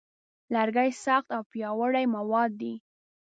لرګی سخت او پیاوړی مواد دی.